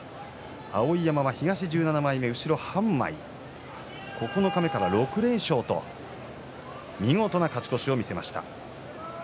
碧山は東１７枚目で後ろ半枚九日目から６連勝という見事な勝利を見せました。